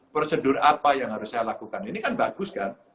prosedur apa yang harus saya lakukan ini kan bagus kan